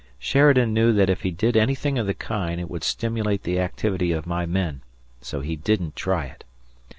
Sheridan knew that if he did anything of the kind it would stimulate the activity of my men, so he didn't try it.